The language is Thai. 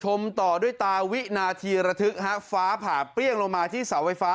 ชมต่อด้วยตาวินาทีระทึกฮะฟ้าผ่าเปรี้ยงลงมาที่เสาไฟฟ้า